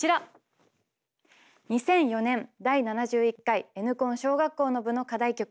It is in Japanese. ２００４年第７１回「Ｎコン」小学校の部の課題曲